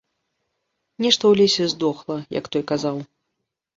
Нешта ў лесе здохла, як той казаў.